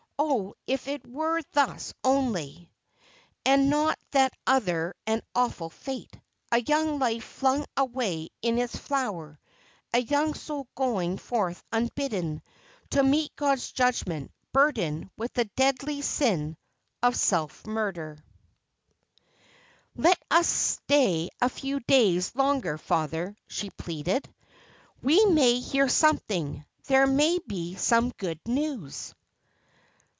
Oh, if it were thus only, and not that other and awful fate — a young life flung away in its flower, a young soul going forth unbidden to meet God's judgment, burdened with the deadly sin of self murder ! 'Is there no Grace? is there no Remedie?' 369 ' Let us stay a few days longer, father,' she pleaded. ' We may hear something. There may be some good news.'